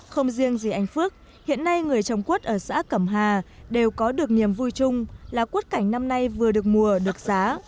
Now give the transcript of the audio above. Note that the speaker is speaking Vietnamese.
không riêng gì anh phước hiện nay người trồng quất ở xã cẩm hà đều có được niềm vui chung là quất cảnh năm nay vừa được mùa được giá